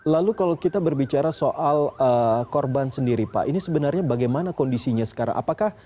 lalu kalau kita berbicara soal korban sendiri pak ini sebenarnya bagaimana kondisinya sekarang apakah